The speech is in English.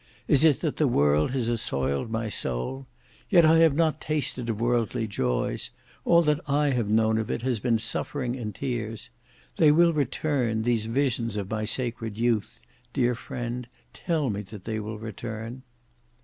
Is it that the world has assoiled my soul? Yet I have not tasted of worldly joys; all that I have known of it has been suffering and tears. They will return, these visions of my sacred youth, dear friend, tell me that they will return!"